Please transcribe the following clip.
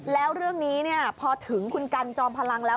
แล้วเรื่องนี้พอถึงคุณกันจอมพลังแล้ว